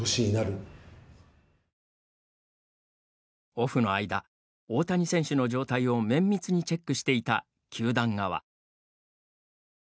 オフの間、大谷選手の状態を綿密にチェックしていた球団側。